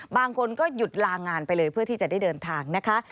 บางคนก็หยุดลางานไปเลยเพื่อที่จะได้เดินทางนะคะ